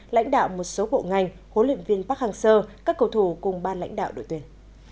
lãnh đạo một số bộ ngành hỗn luyện viên pháp hàng sơ các cầu thủ cùng ban lãnh đạo đội tuyển